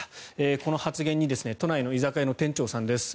この発言に都内の居酒屋の店長さんです。